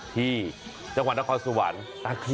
ที่จังหวัดนครสวรรค์